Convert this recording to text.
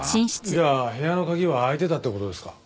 じゃあ部屋の鍵は開いてたって事ですか？